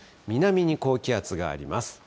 南に高気圧があります。